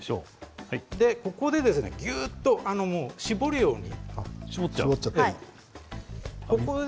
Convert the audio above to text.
ここでぎゅっと絞るように。